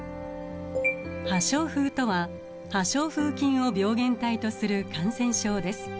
破傷風とは破傷風菌を病原体とする感染症です。